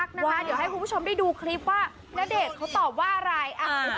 เดี๋ยวให้คุณผู้ชมได้ดูคลิปว่าณเดชน์เขาตอบว่าอะไร